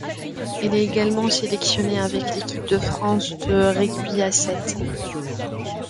Il est également sélectionné avec l'équipe de France de rugby à sept.